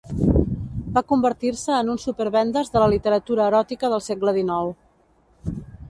Va convertir-se en un supervendes de la literatura eròtica del segle dinou.